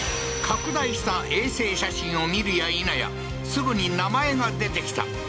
拡大した衛星写真を見るや否や、すぐに名前が出てきた！